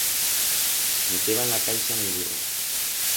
Meteban la caixa en el burro.